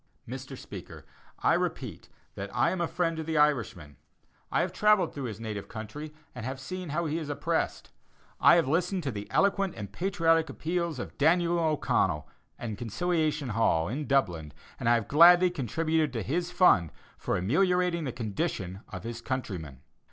Mr. Speaker: I repeat that I am a friend to the Irishman. I have travelled through his native country and have seen how he is oppressed. I have listened to the eloquent and patriotic appeals of Daniel O'Connell, in Conciliation Hall, in Dublin, and I have gladly contributed to his fund for ameliorating the condition of his countrymen.